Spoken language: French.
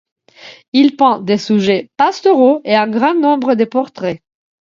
Il peint des sujets pastoraux et un grand nombre de portraits.